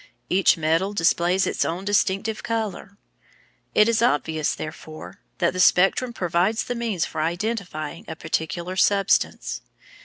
_Each metal displays its own distinctive colour. It is obvious, therefore, that the spectrum provides the means for identifying a particular substance.